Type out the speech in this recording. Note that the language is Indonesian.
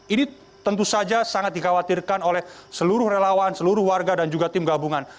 ini tentu saja sangat dikhawatirkan oleh seluruh relawan seluruh warga dan juga tim gabungan